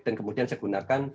dan kemudian saya gunakan